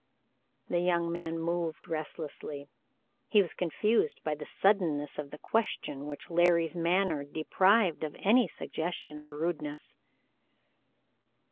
The young man moved restlessly. He was confused by the suddenness of the question, which Larry's manner deprived of any suggestion of rudeness.